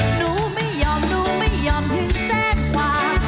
หนูไม่ยอมรู้ไม่ยอมถึงแจ้งความ